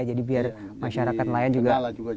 jadi biar masyarakat nelayan juga